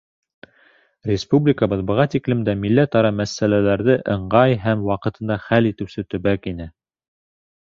Республикабыҙ быға тиклем дә милләт-ара мәсьәләләрҙе ыңғай һәм ваҡытында хәл итеүсе төбәк ине.